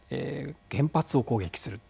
原発を攻撃する。